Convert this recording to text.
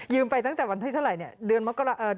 ยืมไปตั้งแต่วันที่เท่าไรเนี่ย